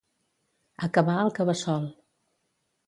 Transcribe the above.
Acabar al Cabeçol.